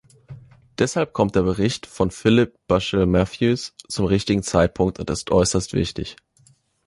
Deshalb kommt der Bericht von Philip Bushill-Matthews zum richtigen Zeitpunkt und ist äußerst wichtig.